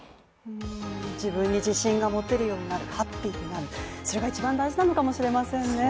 自分に自信が持てるようになるとハッピーになる、それが一番、大事なのかもしれませんね。